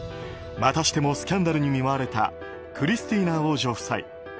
またしてもスキャンダルに見舞われたクリスティーナ王女夫妻。